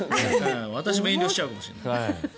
私も遠慮しちゃうかもしれない。